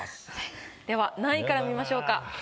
では何位から見ましょうか？